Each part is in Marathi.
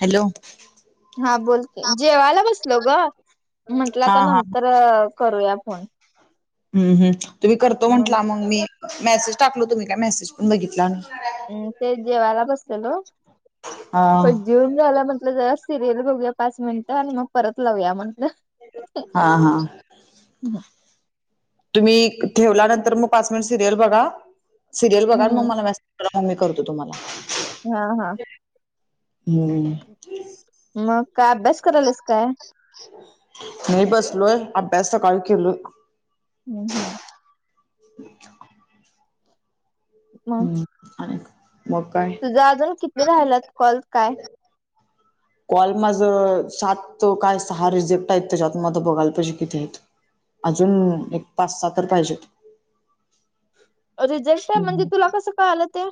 हॅलो. हा बोल की जेवायला बसलो ग म्हटलं हा आता हा नंतर करूया फोन. हम्म हम तुम्ही करतो म्हंटला मग मी मेसेज टाकलो तुम्ही काय मेसेज पण बघितला नाही. हम्म तेच जेवायला बसलेलो. हा. जेऊन झालं म्हटलं जरा सिरियल बघूया पाच मिनिटं आणि मग परत लावूया म्हंटलं. हा हा हम्म. तुम्ही ठेवला नंतर मग पाच मिनिट सिरियल बघा सिरियल बघा आणि मग हम्म मला मेसेज करा. मग मी करतो तुम्हाला. हा हा. हम्म. मग काय अभ्यास करायलास काय. नाही बसलोय अभ्यास सकाळी केलो. हम्म हम्म. अच्छा मग हम्म आणिक मग काय? तुझा अजून किती राहिलात कॉल काय? कॉल माझं सात काय सहा रिझेक्ट आहेत त्याजात म आता बघायला पाहिजे किती आहेत. अजून एक पाच-सहा तर पाहिजे. रिजेक्ट आहे म्हणजे तुला कसं कळालं ते?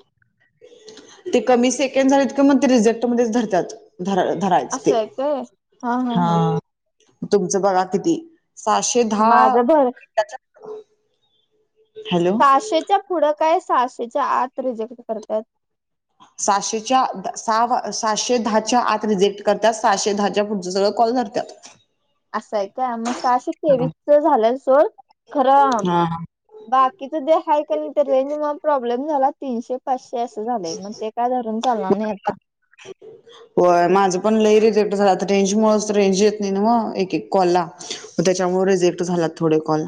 ते कमी सेकंड झालेत कि मग ते रिजेक्ट मध्येच धरत्यात. धरळ धरायचा ते हा. तुमचा बघा किती सहाशे दहा. माझं [inaudible] भर हॅलो सहाशेच्या पुढं काय सहाशेच्या आत रिजेक्ट करत्यात. सहाशेच्या द सहावा सहाशे दहाच्या आत रिजेक्ट करता सहाशे दहाच्या पुढचं सगळं कॉल धरत्यात. असंय काय म सहाशे हा तेवीसचा झालं सोड खरं हा बाकीचा दे हाय का नाही तर रेंजमुळं प्रॉब्लेम झालात तीनशे पाचशे असं झालंय मग ते काय धरून चालणार नाही आता. होय माझं पण लई रिजेक्ट झालं आता रेंजमुळं रेंज येत नाय ना म एक एक कॉलला पण त्याच्यामुळे रिजेक्ट झाल्यात थोडे कॉल.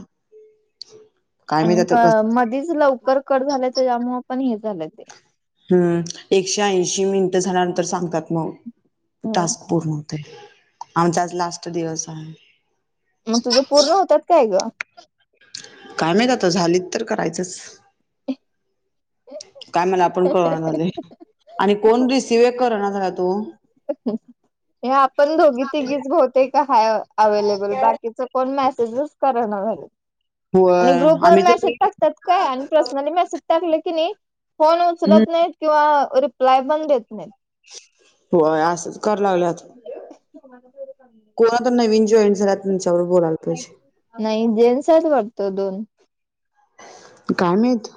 काय माहित आणि आता का कसं मधीच लवकर कड झालाय त्याज्यामुळं पण हे झालय ते. हम्म एकशे ऐंशी मिनिटं झाल्यानंतर सांगतात मग ह टास्क पूर्ण ते आमचा आज लास्ट दिवस आहे. मग तुझं पूर्ण होतात काय गं? काय माहित आता झालीत तर करायचंच. काय म्हणा आपण कळणा झाले आणि कोण रिसिव करणार झाला तू. हे आपण दोघी तिघीच बहू तेक हाय अवेलेबल बाकीचे कोण मेसेजेस करयना झालंय. आणि होय ग्रुप आम्ही वर तर मेसेज टाकतात काय आणि पर्सनली मेसेज टाकले की नाही फोन हम्म उचलत नाहीत किंवा रिप्लाय पण देत नाहीत. होय असच कर लागल्यात. [inaudible] कोण आत्ता नवीन जॉईन झाले त्यांच्याबरोबर बोलाल. [unintelligible] नाही जेंट्स आहेत वाटतं दोन. काय माहीत.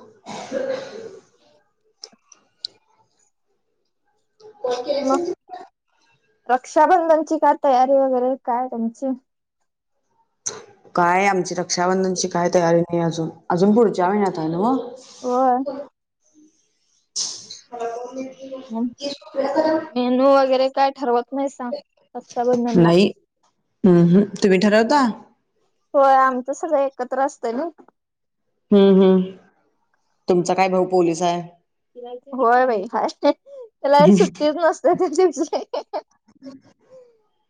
मग रक्षाबंधनाची काय तयारी वगैरे काय तुमची? काय आमची रक्षाबंधनाची काय तयारी नाही अजून अजून पुढच्या महिन्यात हाय ना हो. होय. [unintelligible] मेनू वगैरे काय ठरवत नाहीसा? नाही उम्म हम्म तुम्ही ठरवता? होय आमचं सगळं एकत्र असतंय ना. हम्म हम्म तुमचा काय भाऊ पोलीस आहे? होय बाय हाय त्याला एक सुट्टीच नसत्या त्यादिवशी.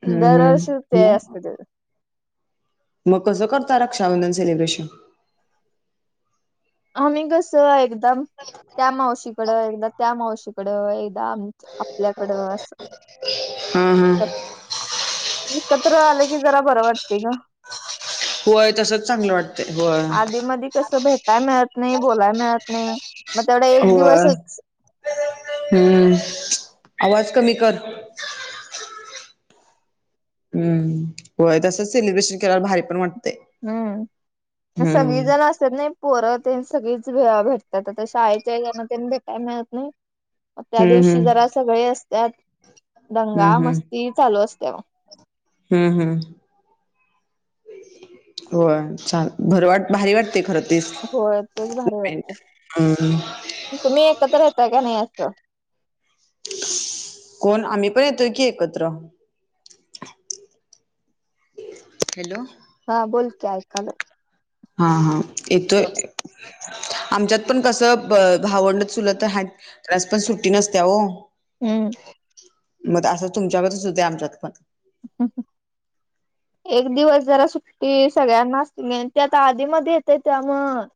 हम्म दरवर्षीचा ते हम्म असतं त्याचं. म कसं करता रक्षाबंधन सेलिब्रेशन? आम्ही कसं एकदम [unintelligible] त्या मावशीकडे एकदा त्या मावशीकडे एकदा आमच्या आपल्याकडं असं. हा हा. एकत्र आले की जरा बरं वाटतंय गं. तसंच चांगलं वाटतंय होय. तसं भेटाय मिळत नाही बोलायला मिळत नाही. मग तेवढा एक होय दिवसच हम्म आवाज कमी कर. हम्म होय तसंच सेलिब्रेशन केल्यावर भारी पण वाटतंय. हम्म मग सगळी हम्म जण अस चत नाय पोरं तेन सगळीच भे भेटतात आत्ता शाळेच्या याने तेन भेटाय मिळत नाही. त्या हम्म दिवशी हम्म जरा सगळी असत्यात हम्म दंगा हम्म मस्ती चालू असत्या म. हम्म हम्म. होय छान बरं वाट भारी वाटतंय खरं तर. तीस होय तेच भारी एंड वाटते हम्म. तुम्ही एकत्र राहताय काय नाही असं. कोण आम्ही पण येतोय की एकत्र. हॅलो. हा बोल की ऐकायलोय. हा हा येतोय आमच्यात पण कसं ब भावंड चुलत आहेत त्यालास पण सुट्टी नसत्या हो. हम्म मग त्या असं तुमच्या गतच होतय आमच्यात पण. [unintelligible] एक दिवस जरा सुट्टी सगळ्यांना [unintelligible] त्या आता आधी मध्ये येत त्यामूळं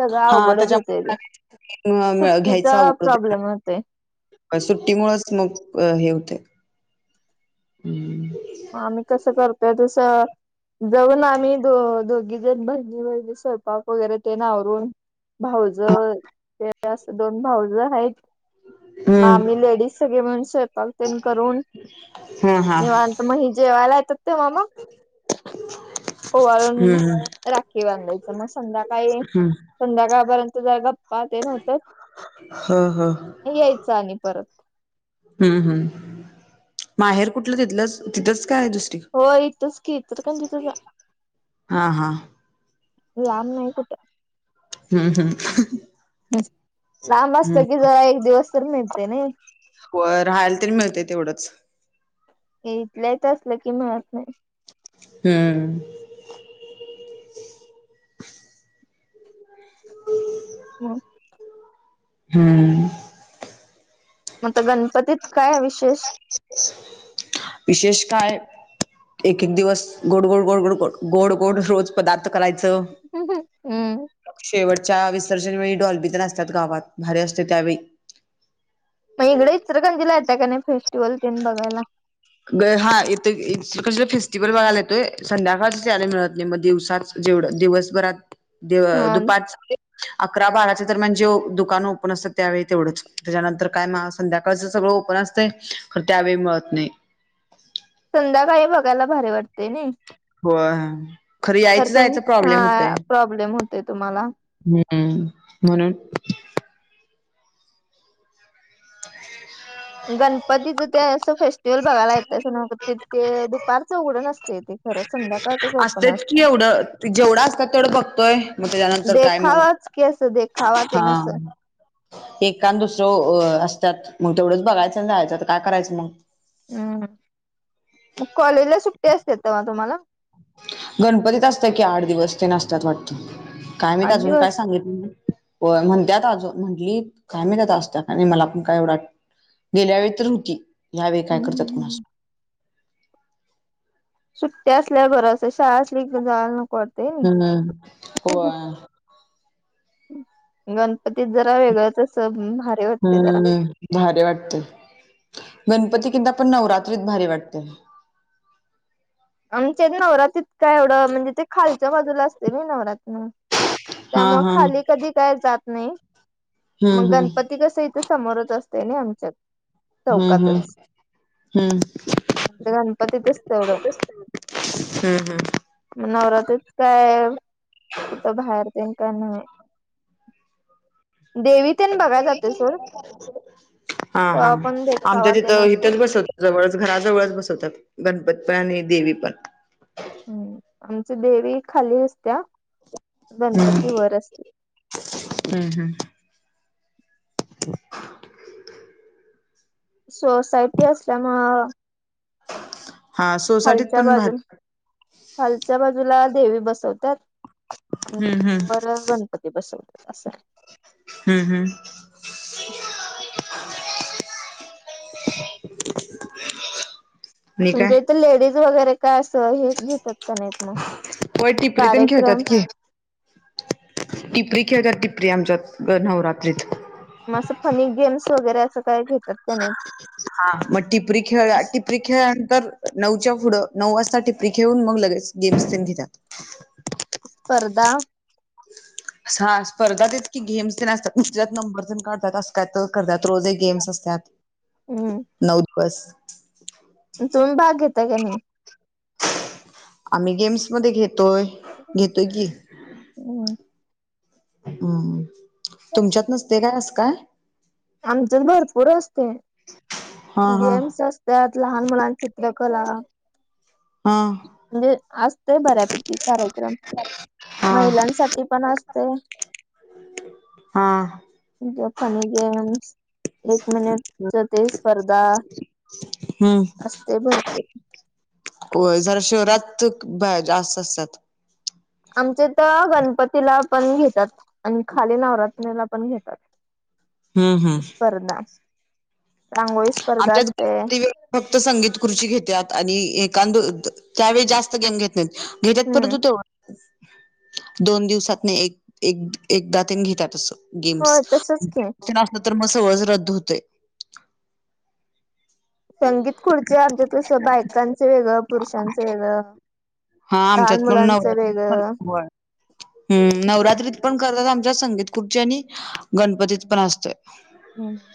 सगळं हां अवघडच होतय ते त्याच्यामुळे सुट्टीचा प्रॉब्लेम होतोय. काय सुट्टीमुळच मग हे अ होतंय हम्म. म आम्ही कसं करतोय तसं जाऊन आम्ही दो दोघीजण बहिणी बहिणी स्वयंपाक वगैरे तेन आवरून भावजा ते असं दोन भावजा आहे की. म हम्म. आम्ही लेडीज सगळे मिळून स्वयंपाक तेन करून हां हां निवां त म हे जेवायला येतात तेव्हा मग ओवाळून हम्म हम्म राखी बांधायचं म संध्याकाळी हम्म. संध्याकाळ पर्यंत जर जात पाहते नव्हत्यात ह ह यायचं आणि परत. हम्म हम्म माहेर कुठलं तिथलंच तिथंच काय दुस हो इथच कि इचलकरंजीतच हां हां लांब नाही कुठं. हम्म हम्म. हम्म लांब असतं की एक दिवस तरी मिळते नाही. होय राहायला तरी मिळतं तेवढच. इथल्या इथं असलं की मिळत नाय. हम्म. मंग हां. म आता गणपतीत काय विशेष? विशेष काय एक एक दिवस गोड गोड गोड गोड गोड गोड गोड रोज पदार्थ करायचं. हम्म. शेवटच्या विसर्जनवेेळी डॉल्बीतेन असत्या गावात भारी असतं त्यावेळी. म इकडं इचलकरंजीला येता का नाय फेस्टिवल तेन बघायला. म येते इचलकरंजीला फेस्टिवल बघायला संध्याकाळचे जायला भेटत नाही दिवसाचं. जेवढं दिवसभरात हा दुपार अकरा बाराच्या दरम्यान जे दुकान ओपन असतात त्यावेळी तेवढंच. त्याच्यानंतर काय म संध्याकाळच सगळं ओपन असत. खरं त्यावेळी मिळत नाही. संध्याकाळी बघायला भारी वाटते नाही. बरं खरं तर यायचं तुम जायचं प्रॉब्लेम होतय. हा प्रॉब्लेम होतोय तुम्हाला. हम्म म्हणून [inaudible] गणपतीचे फेस्टिवल ते असं बघायला येतंय ते दुपारचं उघडं नसतं. संध्या असते की एवढं जेवढं असतात तेवढं बघतोय. मग त्याच्यानंतर काय मग खावाच क असं दे खावा ते नस एखाद दुसरं असतात तेवढेच करायचं आणि जायचं काय करायचं मग? हा कॉलेजला सुट्ट्या असतात मग तुम्हाला गणपतीत असतं की आठ दिवस ते नसतात वाटतं. काय माहित आठ अजून काय दिवस सांगितलं हो म्हणत्यात अजून म्हटली कामी त्या असत मला पण काय एवढं गेल्या वेळी तर होती ह्यावेेळी काय हम्म करतात हम्म कुणा हम्म सुट्टी असल्या बरचं शाळा असली जा न हम्म हो. गणपतीत जरा वेगळंच अस हम्म भारी वाटते गणपती किंद पण नवरात्रीत भारी वाटते. आमच्या नवराततका एवढं म्हणजे ते खालच्या बाजूला असते मी नवरात. हा त्यामुळे हा खाली कधी काय जात नाही. हम्म मग हम्म गणपती कसं इथ समोरच असते ना आमच्यात. हम्म हम्म चौकातच हम्म तर गणपतीतच तेवढं हम्म हम्म. मग नवरात्रीच काय कुठं बाहेर ते नाय देवीतण बघाय जातो सर हा हा आमच्या देखावा तेन तिथं असतोय इथंच बसत जवळच घराजवळच बसवतात गणपती पण आणि देवी पण. हम्म आमच्या देवी खाली असत्या हम्म गणपती वर असते. हम्म हम्म. [inaudible] सोसायटी असल्या मूळ हा सोसायटीत खालच्या पण बाजूला भारी खालच्या बाजूला देवी बसवतात. आणि हम्म हम्म वर गणपती बसवतात असं. हम्म हम्म. [inaudible] आणि काय तुमच्या इथे लेडीज वगैरे काय असं हे घेतात का नाहीत मग होय टिपरी तेन कार्यक्रम. खेळतात की टिपरी खेळतात टिपरी आमच्या नवरात्रीत. मग असं फनी गेम्स वगैरे असं काय घेतात त्याने हा मग टिपरी खेळ टिपरी खेळल्यानंतर नऊच्या पुढं नऊ वाजता टिपरी खेळून मग लगेच. गेम्स त्यांनी घेतात. [inaudible] स्पर्धा हा स्पर्धा तेच की गेम्स तेन असतात त्यात नंबर तेन काढतात असा. का तर करतात रोज गेम्स असतात हम्म नऊ दिवस तुम्ही भाग घेता की नाही. आम्ही गेम्स मध्ये घेतोय घेतोय की हुं. हम्म तुमच्यात नसतय काय अस काय? आमच्यात भरपूर असतय हा हा गेम्स अस त्यात लहान मुलानं चित्रकला हा. म्हणजे असतय बऱ्यापैकी कार्यक्रम हा महिलांसाठी पण असतोय हां. त्यात फनी गेम्स एक मिनिटच ते स्पर्धा हम्म. असतय भरपूर होय जरा शहरात बाया जास्त असतेत. आमचेत गणपतीला पण घेतात आणि खाली नवरात्रीला पण घेतात. हमं. हमं. स्पर्धा रांगोळी स्पर्धा आमच्यात असते ते फक्त संगीत खुर्ची घेतात आणि एकान त्यावेळी जास्त गेम घेत घेतात हम्म परंतु तेवढ दोन दिवसातन एक एकदा तेन घेतात असं. गेम्स होय तसच [unintelligible] की असल तर मग सगळंच रद्द होतय. संगीत खुर्ची आमच्यात खस बायकांचं वेगळं पुरुषांचं वेगळं. हा लहान आमच्यात पण मुलांचं नवरात्री पण वेगळं ह् असं नवरात्री पण करतात आमच्या संगीत खुर्ची आणि गणपतीत पण असतय. हम्म.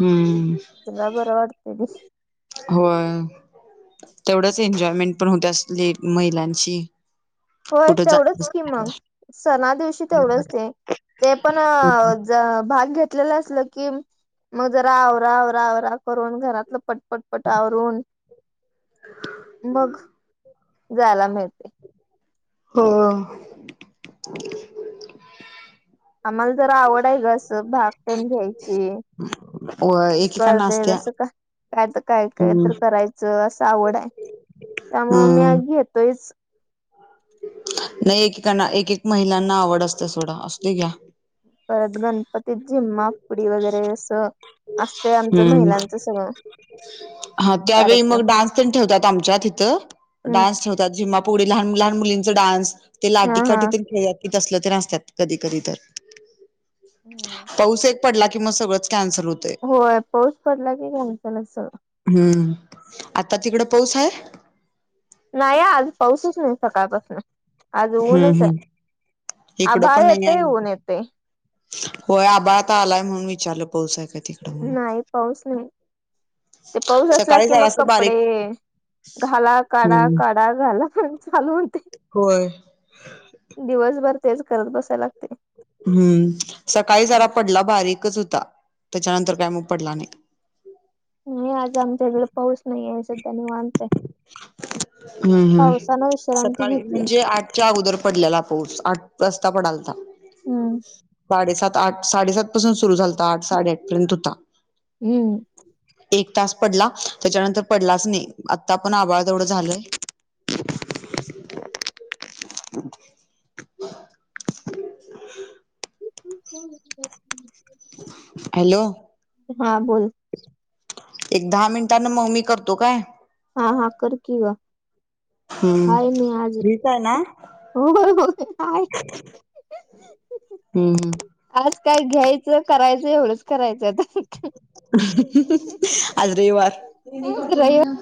हम्म. तिला बरं वाटतंय [unintelligible] होय तेवढंच एन्जॉयमेंट पण होतयाच. लेट मैलांची होय तेवढंच कि मग सणा दिवशी तेवढंच ते ते पण भाग घेतलेलं असल की मग जरा आवरा आवरा आवरा करून घरातलं पट पटपटा आवरून मग जायला मिळतय. हो. आम्हाला जरा आवड आहे अस भाग तेन घ्यायची. व एकेकांना असत्या स्पर्धेतसं काय काय काय हम्म तर करायचं असं आवड आहे. त्यामुळे मी आ हम्म घेतोयच. नाही एकेकाना एक एक महिलांना आवड असते सोडा असू दे घ्या. परत गणपतीत झिम्मा फुगडी वगैरे असं असतय आमचं हम्म महिलांचं सगळं. हा त्यावेळी मग कार्यक्रम डान्स ठेवतात आमच्या तिथं हम्म डान्स ठेवतात झिम्मा फु फुगडी लहान लहान मुलींचा डान्स ते हा लाटी हा काठी तेन खेळतात. तसलं तरी असतात, कधी, कधी तर हम्म पाऊस, एक पडला की म सगळच कॅन्सल हो व्हय, पाऊस पडला की, घ्यान पण असं हम्म, आता तिकडं पाऊस आहे? नाही आज, पाऊसच नाही सकाळपासन आज ऊनच हम्म आहे, हम्म आभाळ येतय, ऊन येतय व्हय, आबा आता आलाय, म्हणून विचारलं, पाऊस का ती नाही पाऊस नाही ते पाऊस असला सकाळी की, मग जरासं कपडे बारीक घाला, काढा, हम्म काढ काय झालं? फोन चालू होउ दे व्हय दिवसभर तेच करत बसायला लागते. हम्म, सकाळी जरा पडला, बारीकच होता, त्याच्यानंतर काय मग पडला नाही. नाही, आज आमच्या इकडे पाऊस नाही आहे, सध्या निंवात हाय. हम्म, हम्म, विश्रांती सकाळी घेतली म्हणजे आठ च्या अगोदर पडलेला पाऊस, आज जास्त पडालता, हम्म साडेसात आठ, साडेसात पासून सुरु झालता, आठ साडेआठ पर्यंत होता. हम्म एक तास पडला, त्याच्यानंतर पडलाच नाही, आता पण आभाळ तेवढं झालंय. [inaudible] [unintelligible] हॅलो हा, बोल एक दहा मिनिटांन म मी करतो, काय हा, हा, कर की गं हम्म. हाय मी आजून, फ्रीच आहे ना? हो बरोबर काय? हम्म आज काय घ्यायचं, करायचं, एवढंच करायचं आता. आज रविवार आज रविवार